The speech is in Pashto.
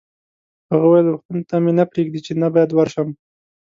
هغه وویل: روغتون ته مې نه پرېږدي، چې نه باید ورشم.